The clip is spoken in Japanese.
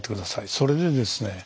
それでですね